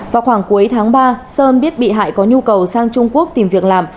vào khoảng cuối tháng ba sơn biết bị hại có nhu cầu sang trung quốc tìm việc làm